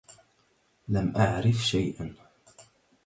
لم أعرفُ شيئاً.